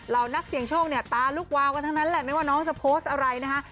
นักเสี่ยงโชคเนี่ยตาลุกวาวกันทั้งนั้นแหละไม่ว่าน้องจะโพสต์อะไรนะฮะ